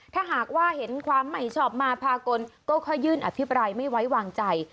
ถ้าหากว่าเห็นความไม่ชอบมาพากลก็ค่อยยื่นอภิปรายไม่ไว้วางใจ